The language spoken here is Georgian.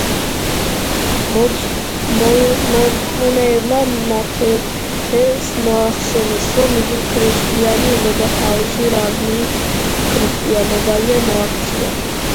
მოშურნეებმა მმართველს მოახსენეს, რომ იგი ქრისტიანი იყო და თავისი რაზმიც ქრისტიანობაზე მოაქცია.